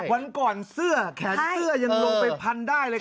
วันก่อนเสื้อแขนเสื้อยังลงไปพันได้เลยค่ะ